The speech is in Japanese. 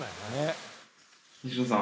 西野さん。